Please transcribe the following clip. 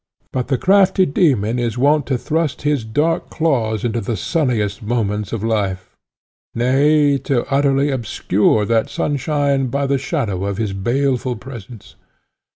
But the crafty demon is wont to thrust his dark claws into the sunniest moments of life, nay, to utterly obscure that sunshine by the shadow of his baleful presence.